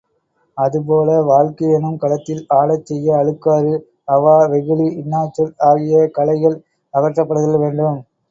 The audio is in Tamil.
அதுபோல வாழ்க்கையெனும் களத்தில் ஆடச் செய்ய அழுக்காறு, அவா, வெகுளி, இன்னாச்சொல் ஆகிய களைகள் அகற்றப்படுதல் வேண்டும்.